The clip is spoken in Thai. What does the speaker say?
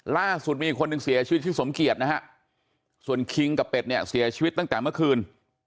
ล่าสุดมีอีกคนนึงเสียชีวิตชื่อสมเกียจนะฮะส่วนคิงกับเป็ดเนี่ยเสียชีวิตตั้งแต่เมื่อคืน